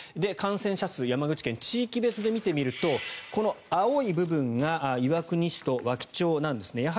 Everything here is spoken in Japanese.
感染者数山口県、地域別で見てみるとこの青い部分が岩国市と和木町なんですね。